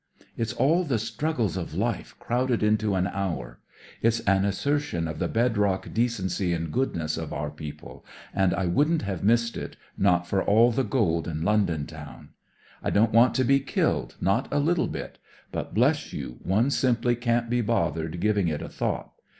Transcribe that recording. It's all the struggles of life crowded into an hour ; it's an assertion of the bed rock decency and goodness of our people, and I wouldn't have missed it, not for all the gold in London town. I don't want to be killed, not a little bit. But, bless you, one simply can't be bothered giving it a thought.